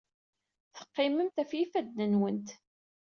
Teqqimemt ɣef yifadden-nwent.